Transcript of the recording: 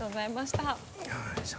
よいしょ。